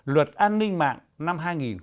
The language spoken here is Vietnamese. luật an ninh mạng năm hai nghìn một mươi